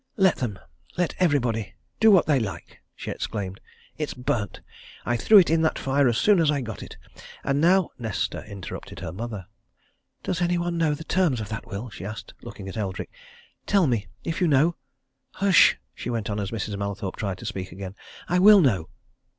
"Let them let everybody do what they like!" she exclaimed. "It's burnt! I threw it in that fire as soon as I got it! And now " Nesta interrupted her mother. "Does any one know the terms of that will?" she asked, looking at Eldrick. "Tell me! if you know. Hush!" she went on, as Mrs. Mallathorpe tried to speak again. "I will know!"